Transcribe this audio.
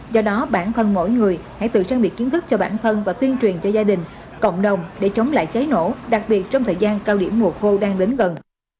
do đó bản thân mỗi người hãy tự trang bị kiến thức cho bản thân và tuyên truyền cho gia đình cộng đồng để chống lại cháy nổ đặc biệt trong thời gian cao điểm mùa khô đang đến gần